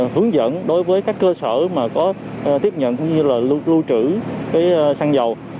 hướng dẫn đối với các cơ sở mà có tiếp nhận cũng như là lưu trữ cái xăng dầu